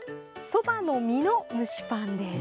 そばの実の蒸しパンです。